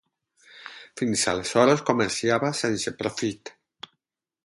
Fins aleshores comerciava sense profit.